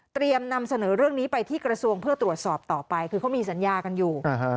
นำเสนอเรื่องนี้ไปที่กระทรวงเพื่อตรวจสอบต่อไปคือเขามีสัญญากันอยู่